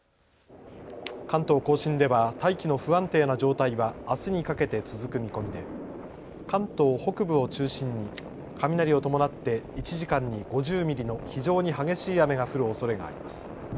関東甲信では大気の不安定な状態はあすにかけて続く見込みで関東北部を中心に雷を伴って１時間に５０ミリの非常に激しい雨が降るおそれがあります。